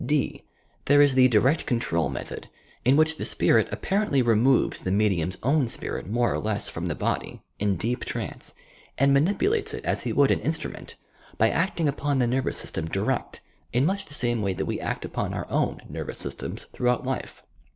(d) There is the direct control method, in which the spirit apparently removes the medium's own spirit more or less from the body, in deep trance, and manipulates it as he would an instrument, by acting upon the nervous system direct, in much the same way that we act upon our own nervous systems throughout life.